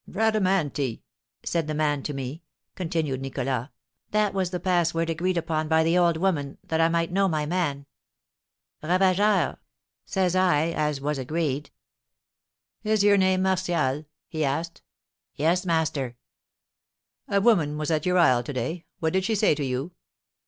"'Bradamanti,' said the man to me," continued Nicholas; "that was the password agreed upon by the old woman, that I might know my man. 'Ravageur,' says I, as was agreed. 'Is your name Martial?' he asked. 'Yes, master.' 'A woman was at your isle to day: what did she say to you?'